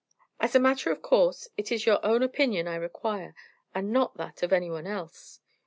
"As a matter of course, it is your own opinion I require, and not that of any one else."